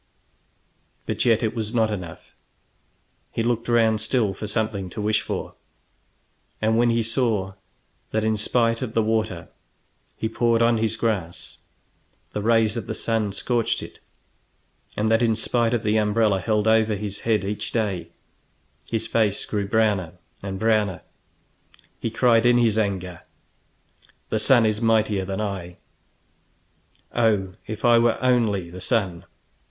But yet it was not enough. He looked round still for something to wish for, and when he saw that in spite of the water he poured on his grass the rays of the sun scorched it, and that in spite of the umbrella held over his head each day his face grew browner and browner, he cried in his anger: "The sun is mightier than I; oh, if I were only the sun!"